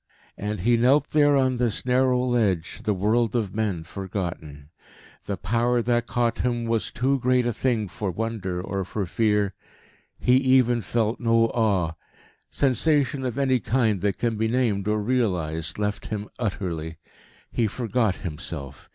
And he knelt there on his narrow ledge, the world of men forgotten. The power that caught him was too great a thing for wonder or for fear; he even felt no awe. Sensation of any kind that can be named or realised left him utterly. He forgot himself.